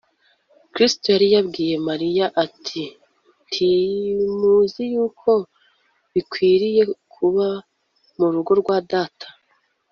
, Kristo yari yabwiye Mariya ati, “Ntimuzi yuko binkwiriye kuba mu rugo rwa Data?